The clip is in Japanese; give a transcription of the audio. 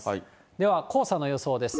では、黄砂の予想です。